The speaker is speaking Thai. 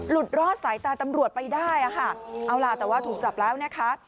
หลุดรอดสายตาตำรวจไปได้เอาล่ะแต่ว่าถูกจับแล้วนะคะ